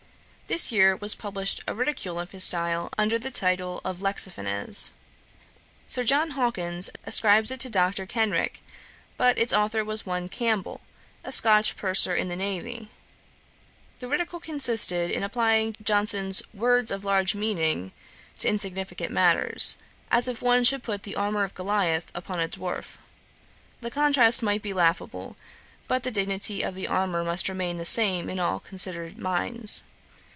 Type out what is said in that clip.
This year was published a ridicule of his style, under the title of Lexiphanes. Sir John Hawkins ascribes it to Dr. Kenrick; but its authour was one Campbell, a Scotch purser in the navy. The ridicule consisted in applying Johnson's 'words of large meaning' to insignificant matters, as if one should put the armour of Goliath upon a dwarf. The contrast might be laughable; but the dignity of the armour must remain the same in all considerate minds.